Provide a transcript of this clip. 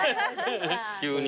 急に。